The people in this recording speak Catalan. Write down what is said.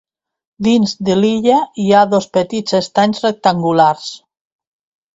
Dins de l'illa hi ha dos petits estanys rectangulars.